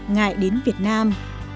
ngại đến việt nam